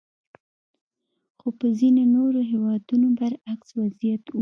خو په ځینو نورو هېوادونو برعکس وضعیت وو.